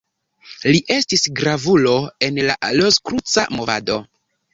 Li estis gravulo en la Rozkruca movado.